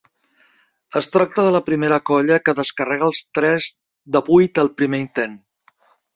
Es tracta de la primera colla que descarrega el tres de vuit al primer intent.